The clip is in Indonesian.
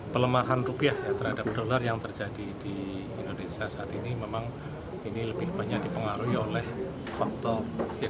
pelemahan rupiah terhadap dolar yang terjadi di indonesia saat ini memang ini lebih banyak dipengaruhi oleh faktor